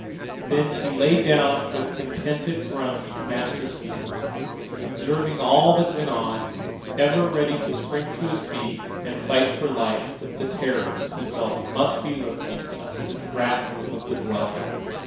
Then he lay down with a contented grunt at the master's feet, observing all that went on, ever ready to spring to his feet and fight for life with the terrors he felt must lurk under the trap roof of the dwelling.